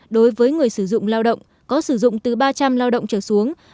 đối với người sử dụng lao động có sử dụng từ ba trăm linh lao động